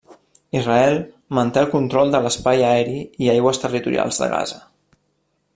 Israel manté el control de l'espai aeri i aigües territorials de Gaza.